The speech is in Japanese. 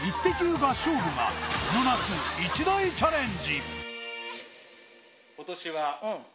合唱部がこの夏、一大チャレンジ。